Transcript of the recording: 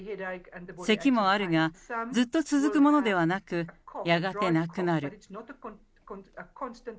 せきもあるが、ずっと続くものではなく、やがてなくなる。